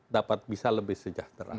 dapat bisa lebih sejahtera